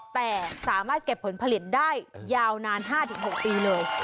แต่สามารถเก็บผลผลิตได้ยาวนาน๕๖ปีเลย